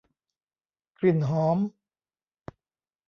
กลิ่นหอม